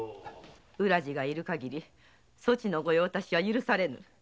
浦路がいるかぎりそちの御用達は許されぬ。